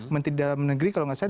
menteri dalam negeri kalau nggak salah